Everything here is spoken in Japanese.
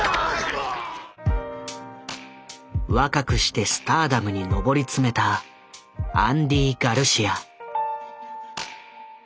若くしてスターダムに上り詰めたアンディ・ガルシア。